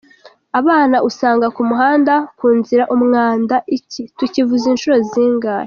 “Abana usanga ku muhanda, ku nzira, umwanda… iki tukivuze inshuro zingahe?